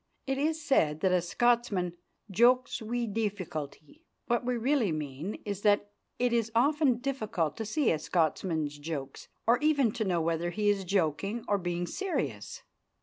It is said that a Scotsman "jokes wi' deeficulty." What we really mean is that it is often difficult to see a Scotsman's jokes or even to know whether he is joking or being serious.